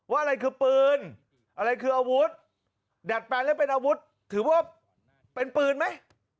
อะไรคือปืนอะไรคืออาวุธดัดแปลงแล้วเป็นอาวุธถือว่าเป็นปืนไหม